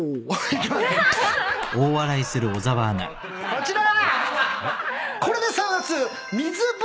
こちら！